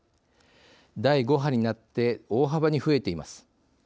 第５波になって大幅に増えています。